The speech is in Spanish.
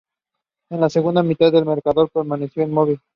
En la segunda mitad el marcador permaneció inmóvil.